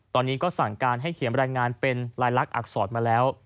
ตอนนี้ก็สั่งการให้เขียนรายงานเป็นลายลักษณอักษรมาแล้ว